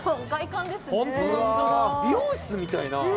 美容室みたいな。